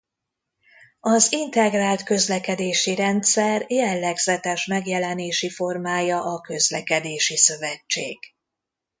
Az integrált közlekedési rendszer jellegzetes megjelenési formája a közlekedési szövetség.